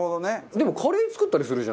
でもカレー作ったりするじゃない？